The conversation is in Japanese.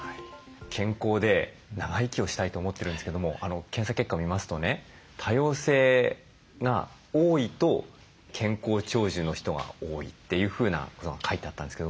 健康で長生きをしたいと思ってるんですけども検査結果を見ますとね多様性が多いと健康長寿の人が多いというふうなことが書いてあったんですけども。